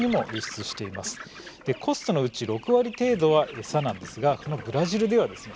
コストのうち６割程度はエサなんですがこのブラジルではですね